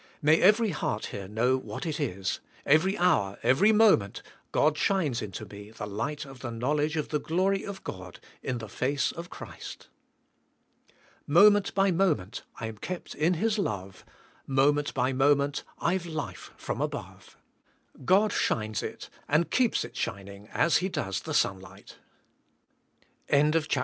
May every heart here know what it is; every hour, every moment, God shines into me the light of the knowledge of the glory of God in the face of Christ. Moment by moment I'm kept in His love, Moment by moment I've life from above. God shines it and keeps it shining as He does the sunlight.